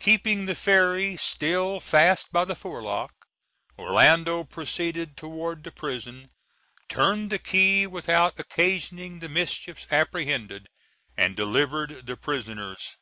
Keeping the fairy still fast by the forelock, Orlando proceeded toward the prison, turned the key, without occasioning the mischiefs apprehended, and delivered the prisoners.